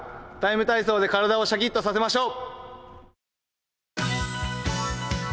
ＴＩＭＥ，体操」で体をシャキッとさせましょう。